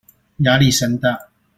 壓力山大